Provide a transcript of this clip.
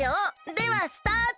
ではスタート！